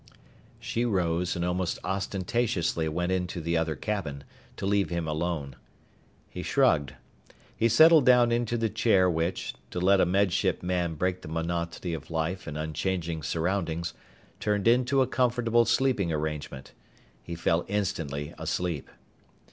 She rose and almost ostentatiously went into the other cabin, to leave him alone. He shrugged. He settled down into the chair which, to let a Med Ship man break the monotony of life in unchanging surroundings, turned into a comfortable sleeping arrangement. He fell instantly asleep.